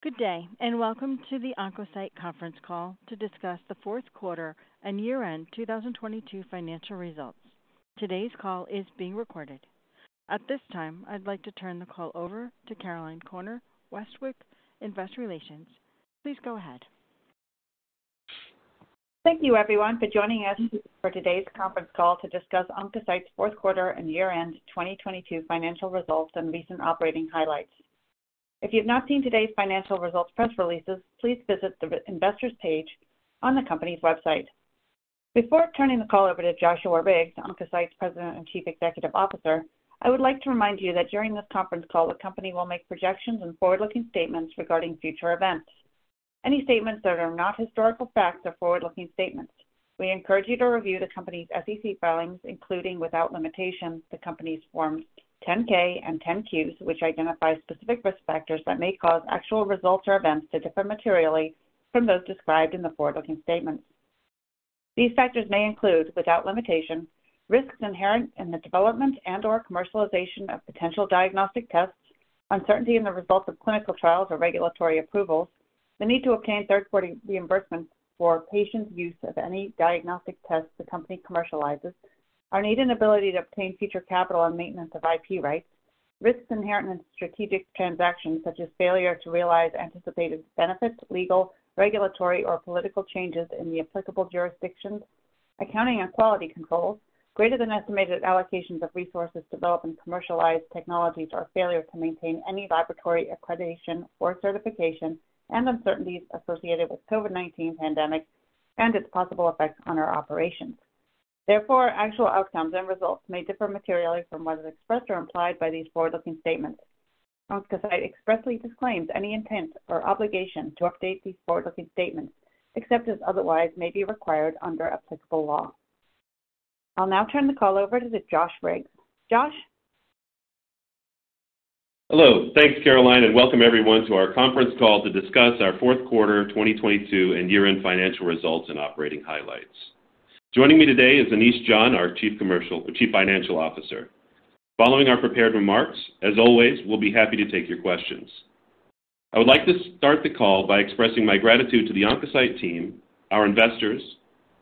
Good day, and welcome to the OncoCyte conference call to discuss the fourth quarter and year-end 2022 financial results. Today's call is being recorded. At this time, I'd like to turn the call over to Caroline Corner, Westwicke Investor Relations. Please go ahead. Thank you, everyone, for joining us for today's conference call to discuss OncoCyte's fourth quarter and year-end 2022 financial results and recent operating highlights. If you've not seen today's financial results press releases, please visit the investors page on the company's website. Before turning the call over to Josh Riggs, OncoCyte's President and Chief Executive Officer, I would like to remind you that during this conference call, the company will make projections and forward-looking statements regarding future events. Any statements that are not historical facts are forward-looking statements. We encourage you to review the company's SEC filings, including, without limitation, the company's Forms 10-K and 10-Qs, which identify specific risk factors that may cause actual results or events to differ materially from those described in the forward-looking statements. These factors may include, without limitation, risks inherent in the development and/or commercialization of potential diagnostic tests, uncertainty in the results of clinical trials or regulatory approvals, the need to obtain third-party reimbursement for patient use of any diagnostic test the company commercializes, our need and ability to obtain future capital and maintenance of IP rights, risks inherent in strategic transactions such as failure to realize anticipated benefits, legal, regulatory, or political changes in the applicable jurisdictions, accounting and quality controls, greater than estimated allocations of resources, develop and commercialize technologies, or failure to maintain any laboratory accreditation or certification, and uncertainties associated with COVID-19 pandemic and its possible effects on our operations. Actual outcomes and results may differ materially from what is expressed or implied by these forward-looking statements. OncoCyte expressly disclaims any intent or obligation to update these forward-looking statements except as otherwise may be required under applicable law. I'll now turn the call over to Josh Riggs. Josh? Hello. Thanks, Caroline. Welcome everyone to our conference call to discuss our fourth quarter 2022 and year-end financial results and operating highlights. Joining me today is Anish John, our Chief Financial Officer. Following our prepared remarks, as always, we'll be happy to take your questions. I would like to start the call by expressing my gratitude to the OncoCyte team, our investors,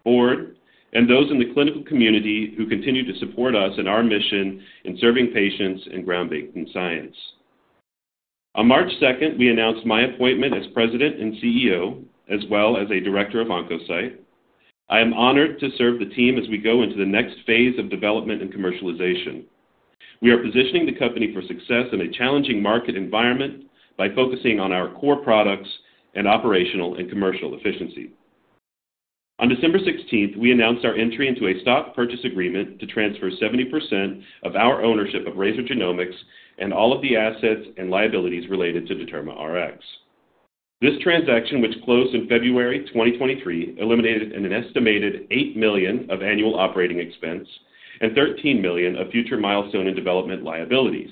board, and those in the clinical community who continue to support us in our mission in serving patients and groundbreaking science. On March second, we announced my appointment as President and CEO, as well as a Director of OncoCyte. I am honored to serve the team as we go into the next phase of development and commercialization. We are positioning the company for success in a challenging market environment by focusing on our core products and operational and commercial efficiency. On December 16th, we announced our entry into a stock purchase agreement to transfer 70% of our ownership of Razor Genomics and all of the assets and liabilities related to DetermaRx. This transaction, which closed in February 2023, eliminated an estimated $8 million of annual operating expense and $13 million of future milestone and development liabilities,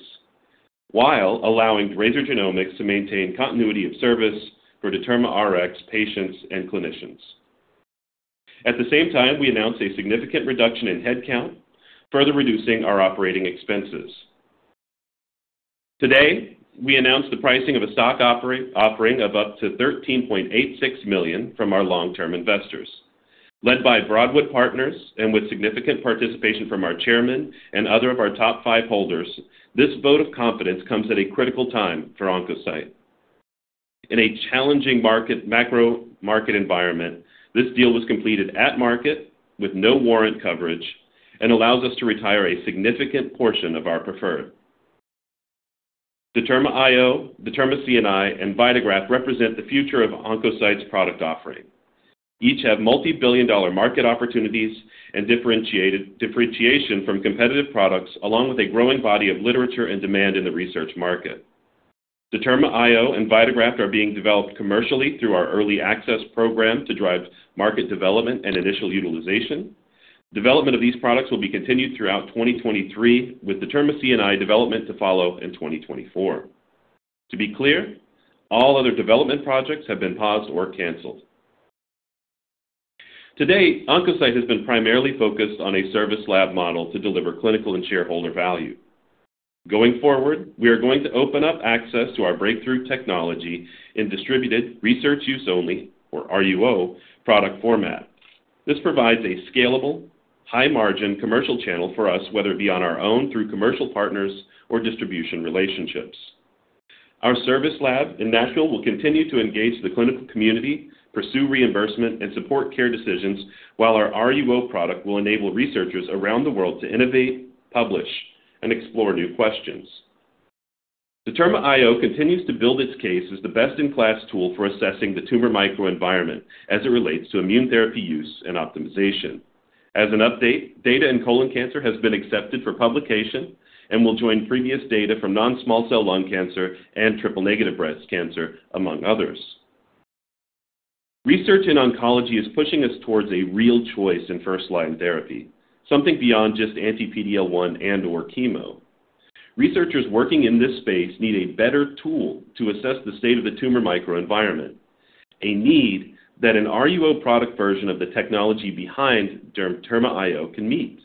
while allowing Razor Genomics to maintain continuity of service for DetermaRx patients and clinicians. At the same time, we announced a significant reduction in headcount, further reducing our operating expenses. Today, we announced the pricing of a stock offering of up to $13.86 million from our long-term investors. Led by Broadwood Partners and with significant participation from our chairman and other of our top five holders, this vote of confidence comes at a critical time for OncoCyte. In a challenging macro market environment, this deal was completed at market with no warrant coverage and allows us to retire a significant portion of our preferred. DetermaIO, DetermaCNI, and VitaGraft represent the future of OncoCyte's product offering. Each have multi-billion dollar market opportunities and differentiation from competitive products, along with a growing body of literature and demand in the research market. DetermaIO and VitaGraft are being developed commercially through our early access program to drive market development and initial utilization. Development of these products will be continued throughout 2023, with DetermaCNI development to follow in 2024. To be clear, all other development projects have been paused or canceled. To date, OncoCyte has been primarily focused on a service lab model to deliver clinical and shareholder value. Going forward, we are going to open up access to our breakthrough technology in distributed research use only, or RUO, product formats. This provides a scalable, high-margin commercial channel for us, whether it be on our own, through commercial partners, or distribution relationships. Our service lab in Nashville will continue to engage the clinical community, pursue reimbursement, and support care decisions while our RUO product will enable researchers around the world to innovate, publish, and explore new questions. DetermaIO continues to build its case as the best-in-class tool for assessing the tumor microenvironment as it relates to immunotherapy use and optimization. As an update, data in colon cancer has been accepted for publication and will join previous data from non-small cell lung cancer and triple-negative breast cancer, among others. Research in oncology is pushing us towards a real choice in first-line therapy, something beyond just anti-PD-L1 and/or chemo. Researchers working in this space need a better tool to assess the state of the tumor microenvironment, a need that an RUO product version of the technology behind DetermaIO can meet.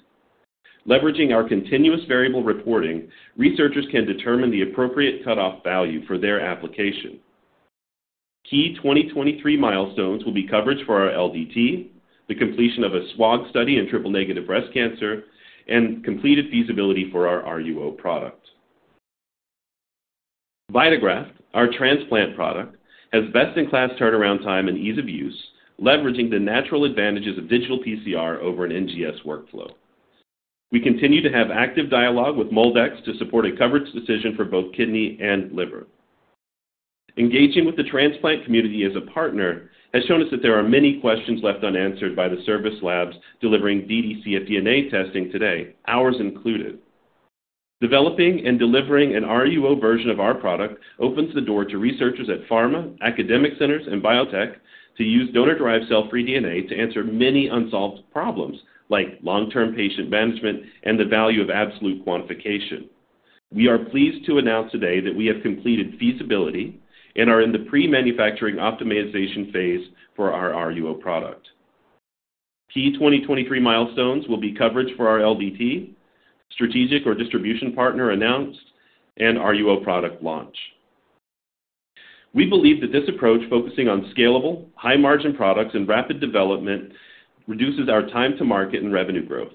Leveraging our continuous variable reporting, researchers can determine the appropriate cutoff value for their application. Key 2023 milestones will be coverage for our LDT, the completion of a SWOG study in triple-negative breast cancer, and completed feasibility for our RUO product. VitaGraft, our transplant product, has best-in-class turnaround time and ease of use, leveraging the natural advantages of digital PCR over an NGS workflow. We continue to have active dialogue with MolDX to support a coverage decision for both kidney and liver. Engaging with the transplant community as a partner has shown us that there are many questions left unanswered by the service labs delivering dd-cfDNA testing today, ours included. Developing and delivering an RUO version of our product opens the door to researchers at pharma, academic centers, and biotech to use donor-derived cell-free DNA to answer many unsolved problems, like long-term patient management and the value of absolute quantification. We are pleased to announce today that we have completed feasibility and are in the pre-manufacturing optimization phase for our RUO product. Key 2023 milestones will be coverage for our LDT, strategic or distribution partner announced, and RUO product launch. We believe that this approach, focusing on scalable, high-margin products and rapid development, reduces our time to market and revenue growth.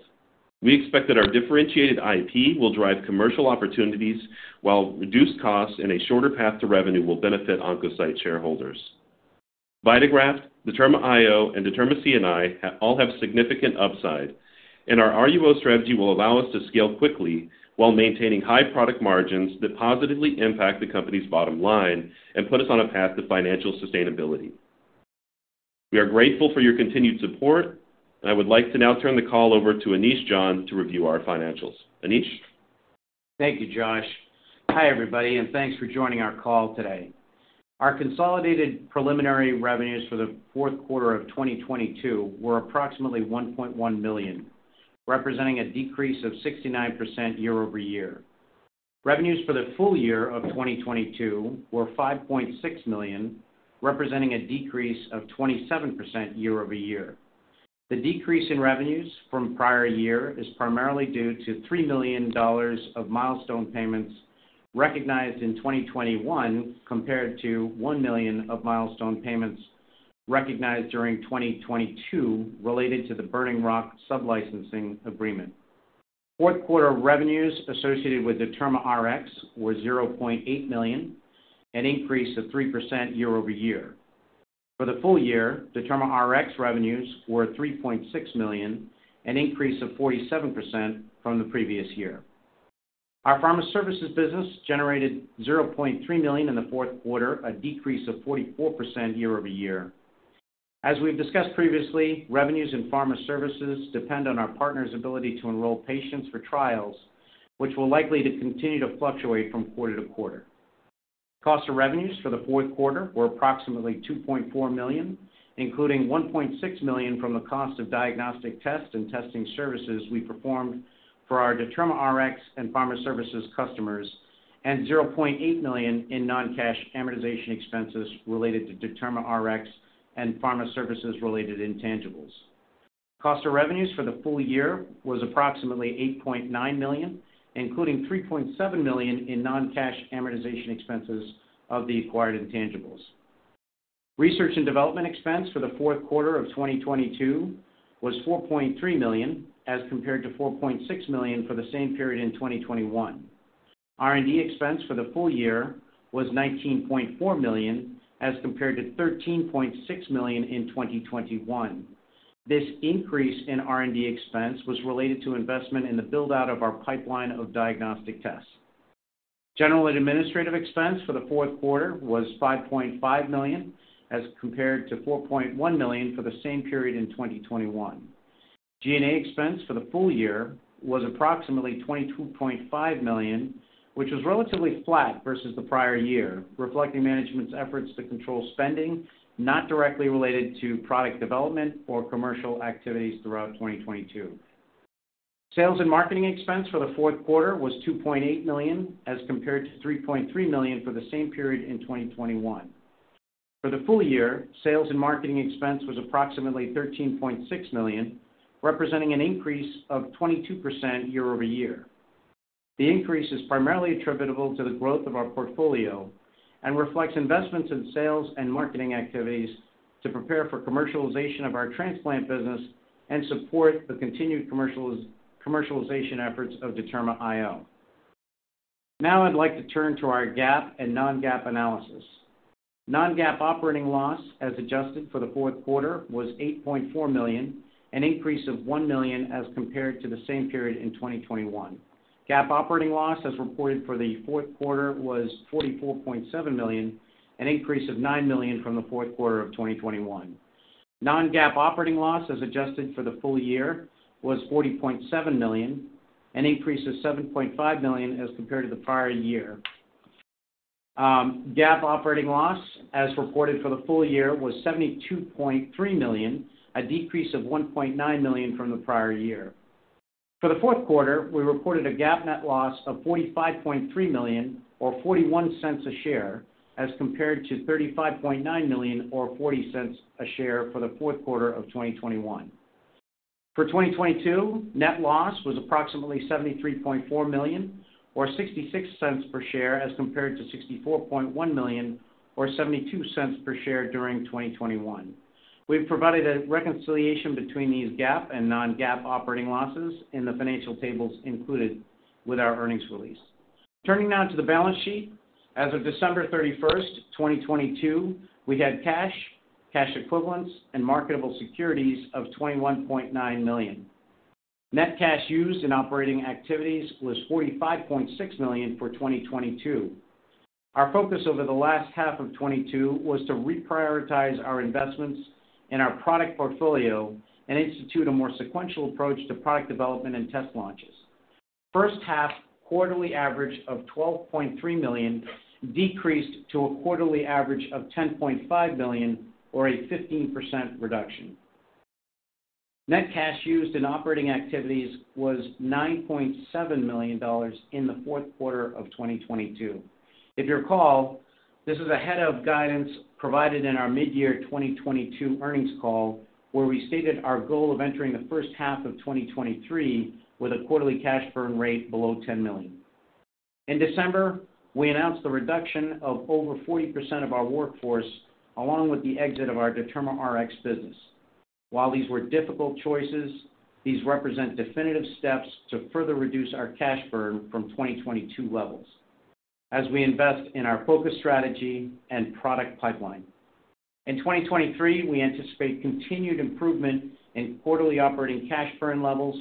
We expect that our differentiated IP will drive commercial opportunities, while reduced costs and a shorter path to revenue will benefit OncoCyte shareholders. VitaGraft, DetermaIO, and DetermaCNI all have significant upside, and our RUO strategy will allow us to scale quickly while maintaining high product margins that positively impact the company's bottom line and put us on a path to financial sustainability. We are grateful for your continued support. I would like to now turn the call over to Anish John to review our financials. Anish? Thank you, Josh. Hi, everybody, and thanks for joining our call today. Our consolidated preliminary revenues for the fourth quarter of 2022 were approximately $1.1 million, representing a decrease of 69% year-over-year. Revenues for the full year of 2022 were $5.6 million, representing a decrease of 27% year-over-year. The decrease in revenues from prior year is primarily due to $3 million of milestone payments recognized in 2021 compared to $1 million of milestone payments recognized during 2022 related to the Burning Rock sublicensing agreement. Fourth quarter revenues associated with DetermaRx were $0.8 million, an increase of 3% year-over-year. For the full year, DetermaRx revenues were $3.6 million, an increase of 47% from the previous year. Our Pharma Services business generated $0.3 million in the fourth quarter, a decrease of 44% year-over-year. As we've discussed previously, revenues in Pharma Services depend on our partners' ability to enroll patients for trials, which will likely to continue to fluctuate from quarter-to-quarter. Cost of revenues for the fourth quarter were approximately $2.4 million, including $1.6 million from the cost of diagnostic tests and testing services we performed for our DetermaRx and Pharma Services customers and $0.8 million in non-cash amortization expenses related to DetermaRx and Pharma Services related intangibles. Cost of revenues for the full year was approximately $8.9 million, including $3.7 million in non-cash amortization expenses of the acquired intangibles. Research and development expense for the fourth quarter of 2022 was $4.3 million, as compared to $4.6 million for the same period in 2021. R&D expense for the full year was $19.4 million, as compared to $13.6 million in 2021. This increase in R&D expense was related to investment in the build-out of our pipeline of diagnostic tests. General and administrative expense for the fourth quarter was $5.5 million, as compared to $4.1 million for the same period in 2021. G&A expense for the full year was approximately $22.5 million, which was relatively flat versus the prior year, reflecting management's efforts to control spending not directly related to product development or commercial activities throughout 2022. Sales and marketing expense for the fourth quarter was $2.8 million, as compared to $3.3 million for the same period in 2021. For the full year, sales and marketing expense was approximately $13.6 million, representing an increase of 22% year-over-year. The increase is primarily attributable to the growth of our portfolio and reflects investments in sales and marketing activities to prepare for commercialization of our transplant business and support the continued commercialization efforts of DetermaIO. I'd like to turn to our GAAP and non-GAAP analysis. Non-GAAP operating loss, as adjusted for the fourth quarter, was $8.4 million, an increase of $1 million as compared to the same period in 2021. GAAP operating loss, as reported for the fourth quarter, was $44.7 million, an increase of $9 million from the fourth quarter of 2021. Non-GAAP operating loss, as adjusted for the full year, was $40.7 million, an increase of $7.5 million as compared to the prior year. GAAP operating loss, as reported for the full year, was $72.3 million, a decrease of $1.9 million from the prior year. For the fourth quarter, we reported a GAAP net loss of $45.3 million or $0.41 a share as compared to $35.9 million or $0.40 a share for the fourth quarter of 2021. For 2022, net loss was approximately $73.4 million or $0.66 per share as compared to $64.1 million or $0.72 per share during 2021. We've provided a reconciliation between these GAAP and non-GAAP operating losses in the financial tables included with our earnings release. Turning now to the balance sheet. As of December 31st, 2022, we had cash equivalents, and marketable securities of $21.9 million. Net cash used in operating activities was $45.6 million for 2022. Our focus over the last half of 2022 was to reprioritize our investments in our product portfolio and institute a more sequential approach to product development and test launches. First half quarterly average of $12.3 million decreased to a quarterly average of $10.5 million or a 15% reduction. Net cash used in operating activities was $9.7 million in the fourth quarter of 2022. If you recall, this is ahead of guidance provided in our mid-year 2022 earnings call, where we stated our goal of entering the first half of 2023 with a quarterly cash burn rate below $10 million. In December, we announced the reduction of over 40% of our workforce along with the exit of our DetermaRx business. While these were difficult choices, these represent definitive steps to further reduce our cash burn from 2022 levels as we invest in our focus strategy and product pipeline. In 2023, we anticipate continued improvement in quarterly operating cash burn levels.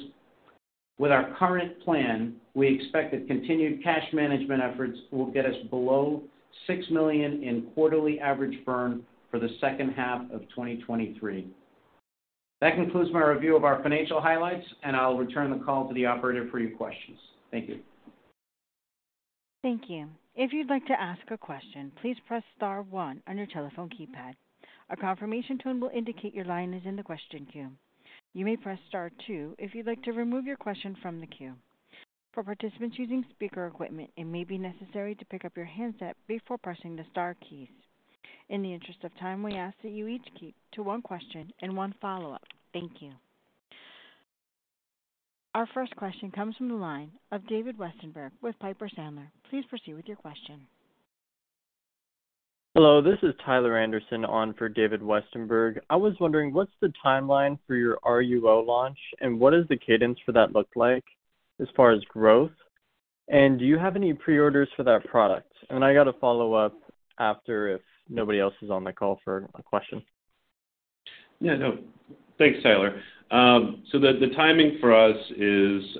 With our current plan, we expect that continued cash management efforts will get us below $6 million in quarterly average burn for the second half of 2023. That concludes my review of our financial highlights, and I'll return the call to the operator for your questions. Thank you. Thank you. If you'd like to ask a question, please press star one on your telephone keypad. A confirmation tone will indicate your line is in the question queue. You may press star two if you'd like to remove your question from the queue. For participants using speaker equipment, it may be necessary to pick up your handset before pressing the star keys. In the interest of time, we ask that you each keep to one question and one follow-up. Thank you. Our first question comes from the line of David Westenberg with Piper Sandler. Please proceed with your question. Hello, this is Tyler Anderson on for David Westenberg. I was wondering what's the timeline for your RUO launch, and what does the cadence for that look like as far as growth? Do you have any pre-orders for that product? I got a follow-up after if nobody else is on the call for a question. Yeah, no. Thanks, Tyler. The timing for us is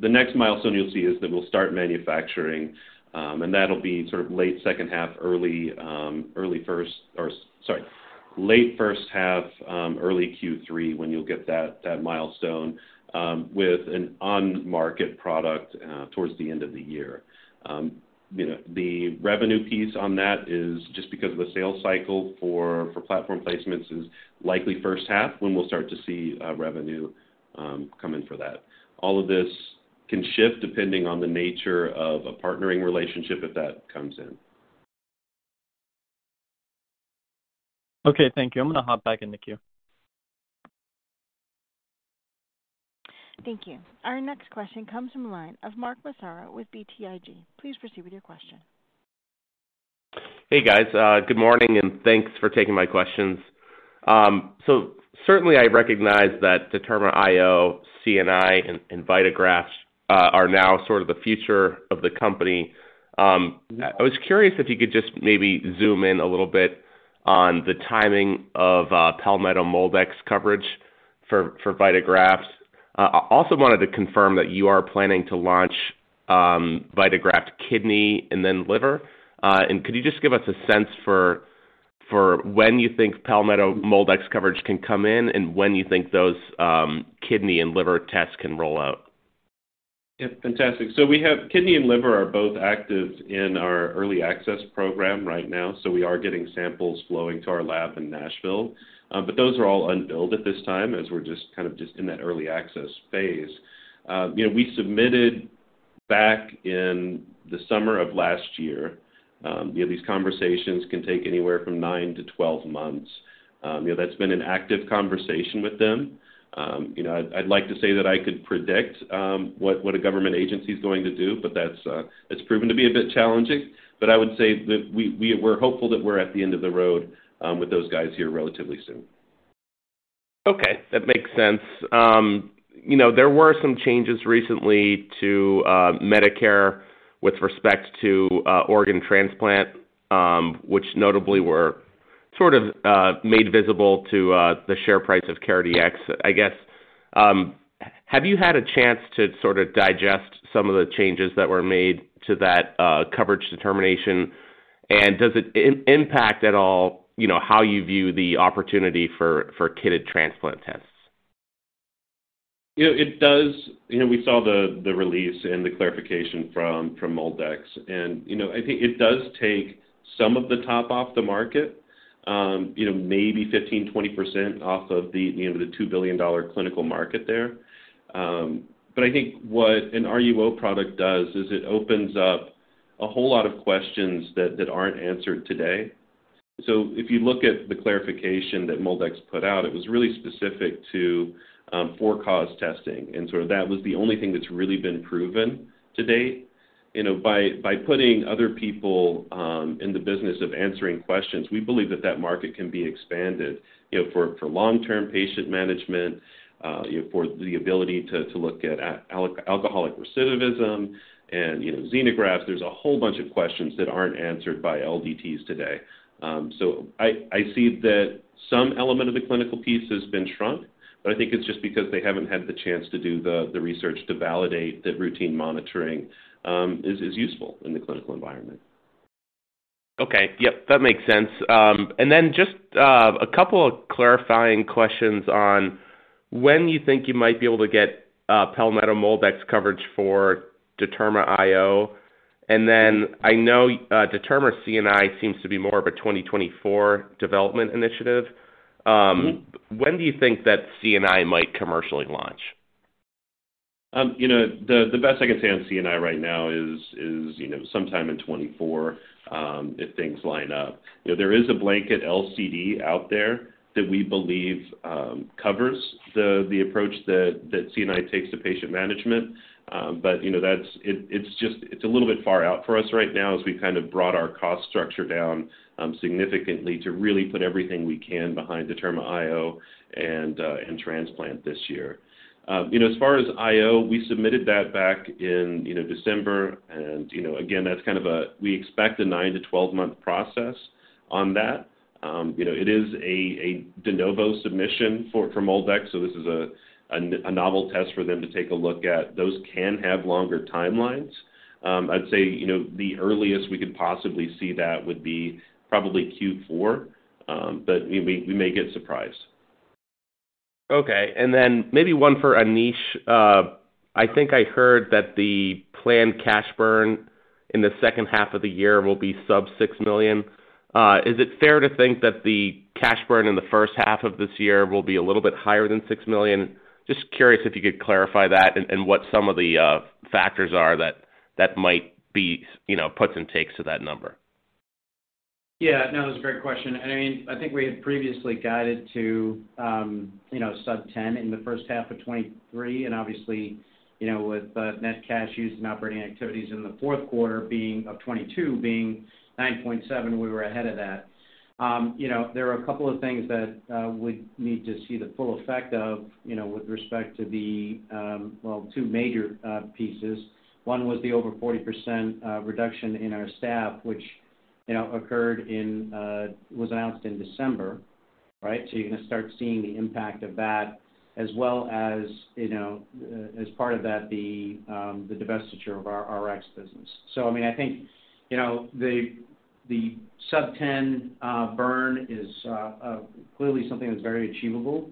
the next milestone you'll see is that we'll start manufacturing, and that'll be sort of late first half, early Q3 when you'll get that milestone with an on-market product towards the end of the year. You know, the revenue piece on that is just because of the sales cycle for platform placements is likely first half when we'll start to see revenue come in for that. All of this can shift depending on the nature of a partnering relationship if that comes in. Okay, thank you. I'm gonna hop back in the queue. Thank you. Our next question comes from the line of Mark Massaro with BTIG. Please proceed with your question. Hey, guys. Good morning, and thanks for taking my questions. Certainly I recognize that DetermaIO, CNI, and VitaGraft are now sort of the future of the company. I was curious if you could just maybe zoom in a little bit on the timing of Palmetto MolDX coverage for VitaGraft. I also wanted to confirm that you are planning to launch VitaGraft Kidney and then Liver. Could you just give us a sense for when you think Palmetto MolDX coverage can come in and when you think those kidney and liver tests can roll out? Yeah, fantastic. Kidney and liver are both active in our early access program right now, so we are getting samples flowing to our lab in Nashville. Those are all unbilled at this time as we're just kind of just in that early access phase. You know, we submitted back in the summer of last year, you know, these conversations can take anywhere from 9-12 months. You know, that's been an active conversation with them. You know, I'd like to say that I could predict what a government agency is going to do, but that's it's proven to be a bit challenging. I would say that we're hopeful that we're at the end of the road with those guys here relatively soon. Okay. That makes sense. you know, there were some changes recently to Medicare with respect to organ transplant, which notably were sort of made visible to the share price of CareDx, I guess. have you had a chance to sort of digest some of the changes that were made to that coverage determination? Does it impact at all, you know, how you view the opportunity for kidney transplant tests? You know, it does. You know, we saw the release and the clarification from MolDX. You know, I think it does take some of the top off the market, you know, maybe 15%, 20% off of the $2 billion clinical market there. I think what an RUO product does is it opens up a whole lot of questions that aren't answered today. If you look at the clarification that MolDX put out, it was really specific to for-cause testing, and sort of that was the only thing that's really been proven to date. You know, by putting other people in the business of answering questions, we believe that that market can be expanded, you know, for long-term patient management, you know, for the ability to look at alcoholic recidivism and, you know, xenografts. There's a whole bunch of questions that aren't answered by LDTs today. I see that some element of the clinical piece has been shrunk, but I think it's just because they haven't had the chance to do the research to validate that routine monitoring is useful in the clinical environment. Okay. Yep, that makes sense. Just a couple of clarifying questions on when you think you might be able to get Palmetto MolDX coverage for DetermaIO? I know DetermaCNI seems to be more of a 2024 development initiative. When do you think that CNI might commercially launch? You know, the best I can say on CNI right now is, you know, sometime in 2024, if things line up. You know, there is a blanket LCD out there that we believe, covers the approach that CNI takes to patient management. You know, that's It's a little bit far out for us right now as we've kind of brought our cost structure down, significantly to really put everything we can behind DetermaIO and transplant this year. You know, as far as IO, we submitted that back in, you know, December and, you know, again, that's kind of a We expect a 9 to 12-month process on that. You know, it is a de novo submission from MolDX, this is a novel test for them to take a look at. Those can have longer timelines. I'd say, you know, the earliest we could possibly see that would be probably Q4, we may get surprised. Okay. Maybe one for Anish. I think I heard that the planned cash burn in the second half of the year will be sub $6 million. Is it fair to think that the cash burn in the first half of this year will be a little bit higher than $6 million? Just curious if you could clarify that and what some of the factors are that might be, you know, puts and takes to that number. Yeah. No, that's a great question. I mean, I think we had previously guided to, you know, sub-10 in the first half of 2023 and obviously, you know, with net cash used in operating activities in the fourth quarter of 2022 being $9.7, we were ahead of that. You know, there are a couple of things that we need to see the full effect of, you know, with respect to the two major pieces. One was the over 40% reduction in our staff, which, you know, was announced in December, right? You're gonna start seeing the impact of that as well as, you know, as part of that, the divestiture of our Rx business. I mean, I think, you know, the sub-10 burn is clearly something that's very achievable.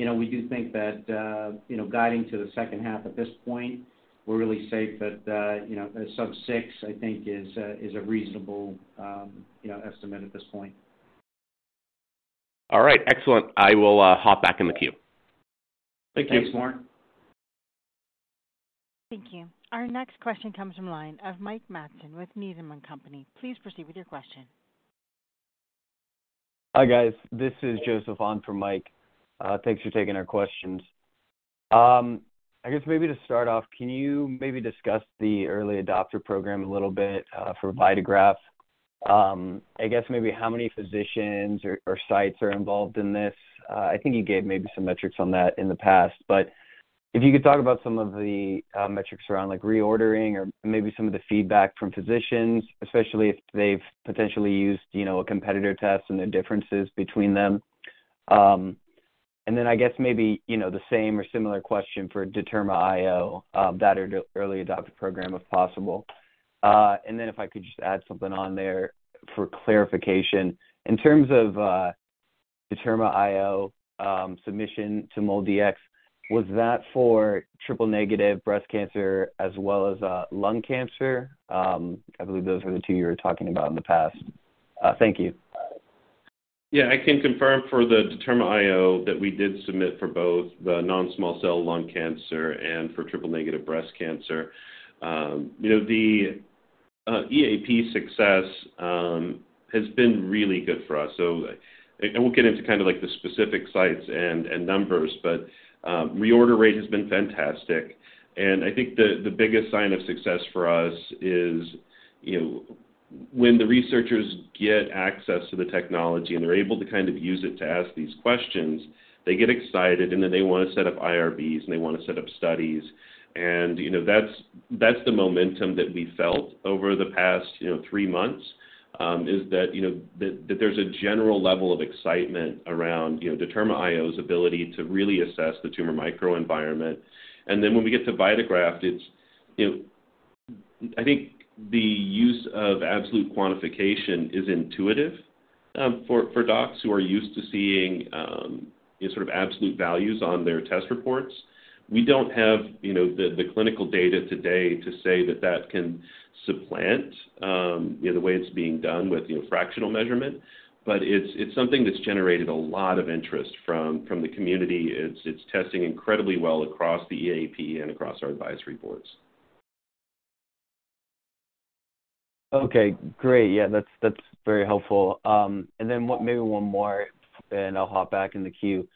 You know, we do think that, you know, guiding to the second half at this point, we're really safe that, you know, sub-6, I think is a reasonable, you know, estimate at this point. All right. Excellent. I will hop back in the queue. Thank you. Thanks, Lauren. Thank you. Our next question comes from line of Mike Matson with Needham & Company. Please proceed with your question. Hi, guys. This is Joseph on for Mike. Thanks for taking our questions. I guess maybe to start off, can you maybe discuss the early adopter program a little bit for VitaGraft? I guess maybe how many physicians or sites are involved in this? I think you gave maybe some metrics on that in the past, but if you could talk about some of the metrics around like reordering or maybe some of the feedback from physicians, especially if they've potentially used, you know, a competitor test and the differences between them. I guess maybe, you know, the same or similar question for DetermaIO, that early adopter program, if possible. If I could just add something on there for clarification. In terms of DetermaIO, submission to MolDX, was that for triple-negative breast cancer as well as lung cancer?I believe those are the two you were talking about in the past. Thank you. Yeah. I can confirm for the DetermaIO that we did submit for both the non-small cell lung cancer and for triple-negative breast cancer. You know, the EAP success has been really good for us. I won't get into kind of like the specific sites and numbers, but reorder rate has been fantastic. I think the biggest sign of success for us is, you know, when the researchers get access to the technology and they're able to kind of use it to ask these questions, they get excited, and then they wanna set up IRBs, and they wanna set up studies. You know, that's the momentum that we felt over the past, you know, three months, is that, you know, that there's a general level of excitement around, you know, DetermaIO's ability to really assess the tumor microenvironment. When we get to VitaGraft, it's, you know, I think the use of absolute quantification is intuitive, for docs who are used to seeing, you know, sort of absolute values on their test reports. We don't have, you know, the clinical data today to say that that can supplant, you know, the way it's being done with, you know, fractional measurement, but it's something that's generated a lot of interest from the community. It's testing incredibly well across the EAP and across our advisory boards. Okay, great. Yeah, that's very helpful. Then one more, then I'll hop back in the queue.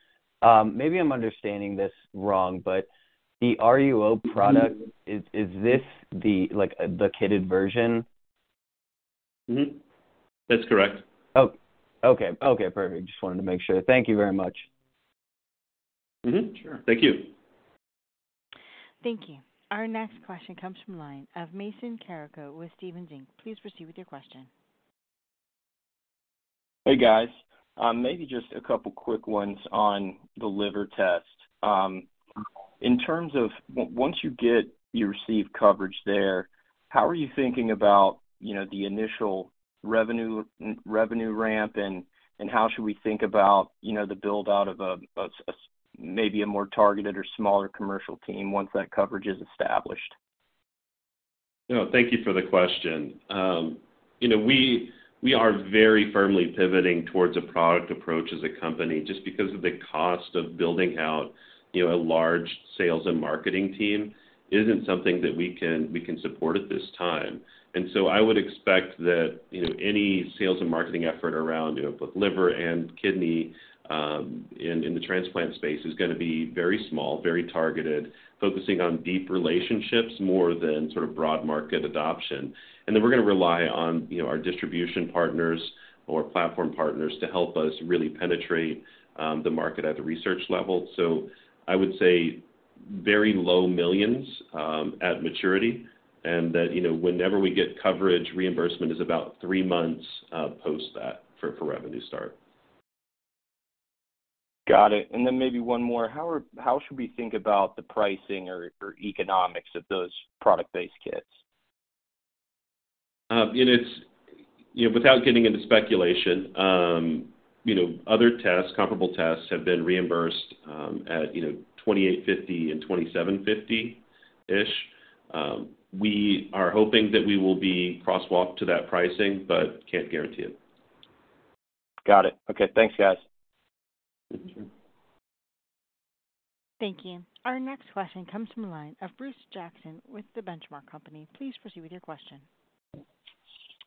Maybe I'm understanding this wrong, the RUO product, is this the, like, the kitted version? That's correct. Oh, okay. Okay, perfect. Just wanted to make sure. Thank you very much. Sure. Thank you. Thank you. Our next question comes from the line of Mason Carrico with Stephens Inc. Please proceed with your question. Hey, guys. Maybe just a couple quick ones on the liver test. In terms of once you get your received coverage there, how are you thinking about, you know, the initial revenue ramp and how should we think about, you know, the build-out of a maybe a more targeted or smaller commercial team once that coverage is established? No, thank you for the question. You know, we are very firmly pivoting towards a product approach as a company just because of the cost of building out, you know, a large sales and marketing team isn't something that we can support at this time. I would expect that, you know, any sales and marketing effort around, you know, both liver and kidney in the transplant space is gonna be very small, very targeted, focusing on deep relationships more than sort of broad market adoption. We're gonna rely on, you know, our distribution partners or platform partners to help us really penetrate the market at the research level. I would say very low millions at maturity, and that, you know, whenever we get coverage, reimbursement is about 3 months post that for revenue start. Got it. Then maybe one more. How should we think about the pricing or economics of those product-based kits? You know, without getting into speculation, you know, other tests, comparable tests have been reimbursed, at, you know, $2,850 and $2,750-ish. We are hoping that we will be crosswalked to that pricing, but can't guarantee it. Got it. Okay. Thanks, guys. Thank you. Our next question comes from the line of Bruce Jackson with The Benchmark Company. Please proceed with your question.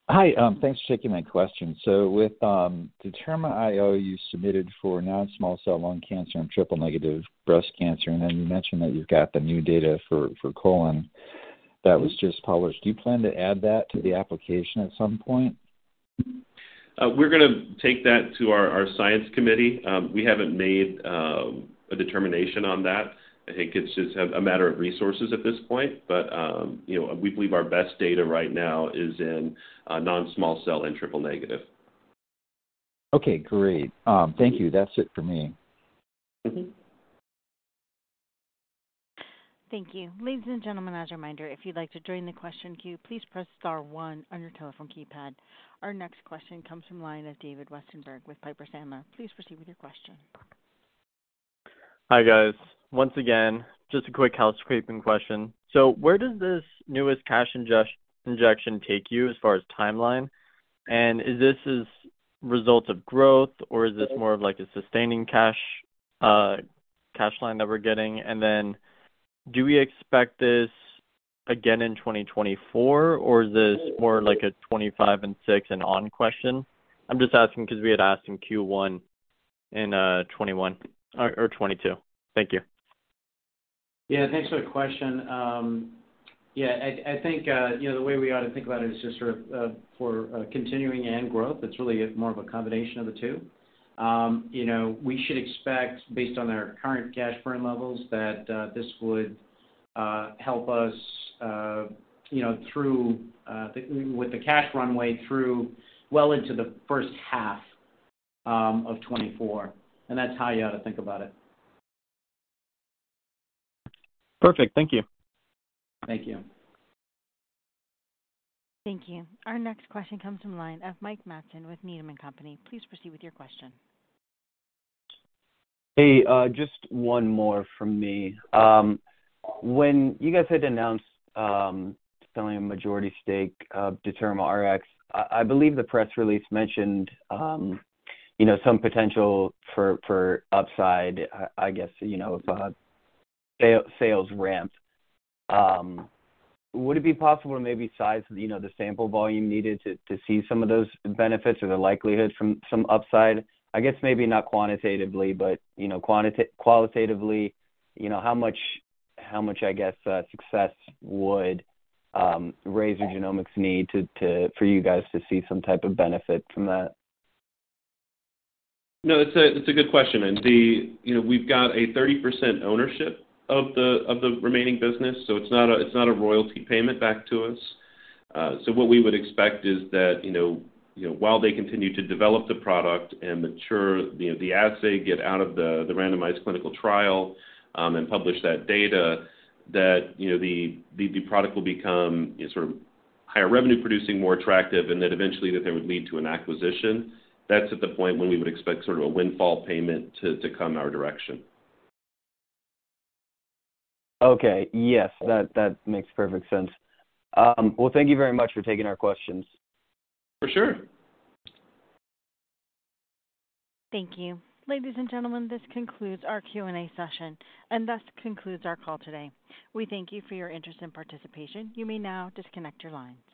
Hi. Thanks for taking my question. With DetermaIO, you submitted for non-small cell lung cancer and triple-negative breast cancer. You mentioned that you've got the new data for colon that was just published. Do you plan to add that to the application at some point? We're gonna take that to our science committee. We haven't made a determination on that. I think it's just a matter of resources at this point, but, you know, we believe our best data right now is in non-small cell and triple negative. Okay, great. Thank you. That's it for me. Thank you. Ladies and gentlemen, as a reminder, if you'd like to join the question queue, please press star one on your telephone keypad. Our next question comes from line of David Westenberg with Piper Sandler. Please proceed with your question. Hi, guys. Once again, just a quick house-scraping question. Where does this newest cash injection take you as far as timeline? Is this as result of growth, or is this more of like a sustaining cash line that we're getting? Do we expect this again in 2024, or is this more like a 2025 and 2026 and on question? I'm just asking 'cause we had asked in Q1 in 2021 or 2022. Thank you. Yeah. Thanks for the question. Yeah, I think, you know, the way we ought to think about it is just sort of, for continuing and growth, it's really more of a combination of the two. You know, we should expect based on our current cash burn levels that, this would, help us, you know, with the cash runway through well into the first half, of 2024. That's how you ought to think about it. Perfect. Thank you. Thank you. Thank you. Our next question comes from line of Mike Matson with Needham & Company. Please proceed with your question. Hey, just one more from me. When you guys had announced selling a majority stake of DetermaRx, I believe the press release mentioned, you know, some potential for upside, I guess, you know, for sales ramp. Would it be possible to maybe size, you know, the sample volume needed to see some of those benefits or the likelihood from some upside? I guess maybe not quantitatively, but, you know, qualitatively, you know, how much success would Razor Genomics need for you guys to see some type of benefit from that? No, it's a, it's a good question. You know, we've got a 30% ownership of the, of the remaining business, so it's not a, it's not a royalty payment back to us. What we would expect is that, you know, you know, while they continue to develop the product and mature, you know, the assay, get out of the randomized clinical trial, and publish that data, that, you know, the product will become, you know, sort of higher revenue producing, more attractive, and that eventually that they would lead to an acquisition. That's at the point when we would expect sort of a windfall payment to come our direction. Okay. Yes, that makes perfect sense. Thank you very much for taking our questions. For sure. Thank you. Ladies and gentlemen, this concludes our Q&A session and thus concludes our call today. We thank you for your interest and participation. You may now disconnect your line.